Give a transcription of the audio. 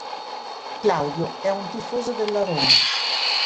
Claudio è un tifoso della Roma.